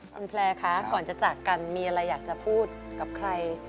คุณแพลร์คะก่อนจะจากกันมีอะไรอยากจะพูดกับใคร